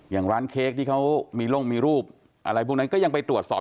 อย่างร้านเค้กที่เขามีลงมีรูปอะไรพวกนั้นก็ยังไปตรวจสอบ